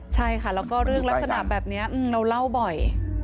ใช่ค่ะแล้วก็เรื่องลักษณะแบบนี้เราเล่าบ่อย